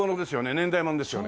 年代物ですよね？